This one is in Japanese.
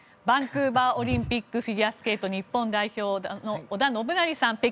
バンクーバーオリンピックフィギュアスケート日本代表の織田信成さん。